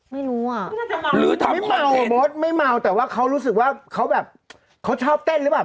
ไม่รู้ค่ะไม่เมาอะไรนะไม่เมาไม่เมาแต่ว่ารู้สึกว่าเขาแบบเขาชอบเต้นหรือเปล่า